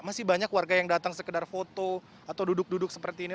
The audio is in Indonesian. masih banyak warga yang datang sekedar foto atau duduk duduk seperti ini